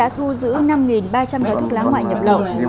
trăm gói thuốc lá ngoại nhập lậu